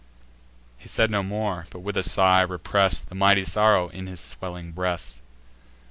He said no more, but, with a sigh, repress'd The mighty sorrow in his swelling breast.